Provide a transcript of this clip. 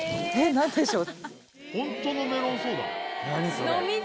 何でしょう。